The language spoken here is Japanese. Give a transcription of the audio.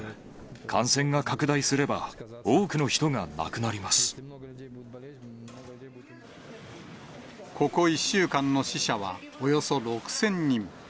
感染が拡大すれば、ここ１週間の死者はおよそ６０００人。